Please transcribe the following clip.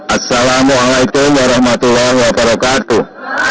assalamu alaikum warahmatullahi wabarakatuh